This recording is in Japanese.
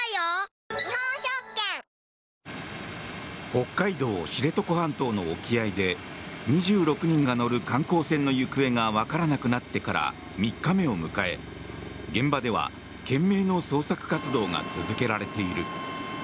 北海道・知床半島の沖合で２６人が乗る観光船の行方がわからなくなってから３日目を迎え現場では懸命の捜索活動が続けられている。